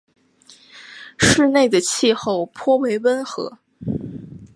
市内的气候颇为温和。